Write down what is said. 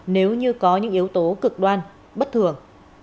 nếu như có những yếu tố cực đoan bất thường